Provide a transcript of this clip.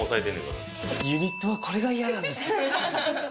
ユニットはこれが嫌なんです。